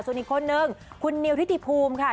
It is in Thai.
ส่วนอีกคนนึงคุณนิวทิติภูมิค่ะ